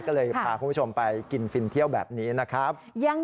ก็เลยพาคุณผู้ชมไปกินฟินเที่ยวแบบนี้นะครับ